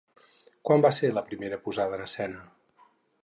Quan va ser la primera posada en escena?